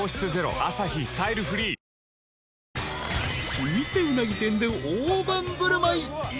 ［老舗うなぎ店で大盤振る舞い。